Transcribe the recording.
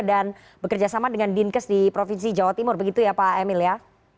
dan bekerjasama dengan dinkes di provinsi jawa timur begitu ya pak emil ya